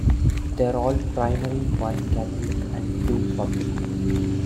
They are all primary, one catholic and two public.